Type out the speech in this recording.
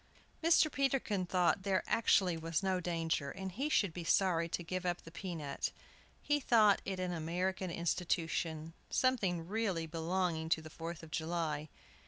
Mr. Peterkin thought there actually was no danger, and he should be sorry to give up the pea nut. He thought it an American institution, something really belonging to the Fourth of July.